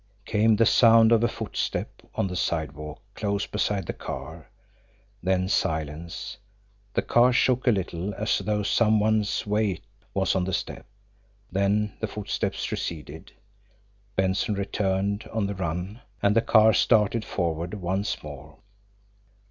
Came the sound of a footstep on the sidewalk close beside the car then silence the car shook a little as though some one's weight was on the step then the footsteps receded Benson returned on the run and the car started forward once more.